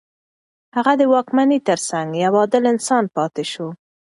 هغه د واکمنۍ تر څنګ يو عادل انسان پاتې شو.